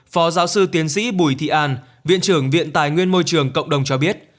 phó giáo sư tiến sĩ bùi thị an viện trưởng viện tài nguyên môi trường cộng đồng cho biết